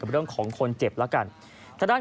เรื่องของคนเจ็บแล้วกัน